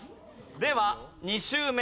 では２周目。